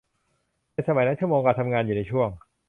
ในสมัยนั้นชั่วโมงการทำงานอยู่ในช่วง